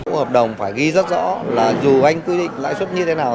hợp đồng phải ghi rất rõ là dù anh quy định lãi suất như thế nào